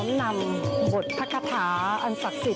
วันนี้เป็นวันนี้เป็นวันดีที่เราจะน้องนำบทภาษาอันศักดิ์สิทธิ์นะฮะ